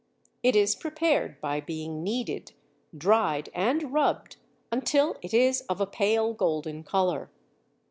It is prepared by being kneaded, dried, and rubbed until it is of a pale golden colour.